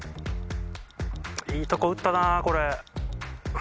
いいとこ打ったなこれ。